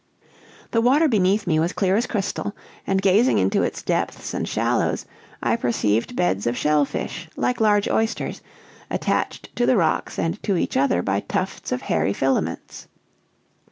"The water beneath me was clear as crystal; and, gazing into its depths and shallows, I perceived beds of shell fish, like large oysters, attached to the rocks and to each other by tufts of hairy filaments.